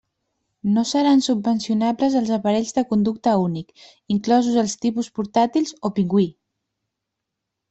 No seran subvencionables els aparells de conducte únic, inclosos els tipus portàtils o pingüí.